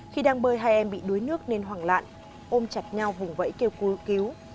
khi đang bơi hai em bị đuối nước nên hoảng lạn ôm chặt nhau hùng vẫy kêu cứu